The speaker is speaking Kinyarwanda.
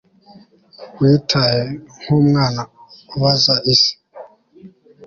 Witaye nkumwana ubaza isi